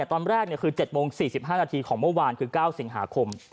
ตอนแรกคือ๗โมง๔๕นาทีของเมื่อวานคือ๙สิงหาคม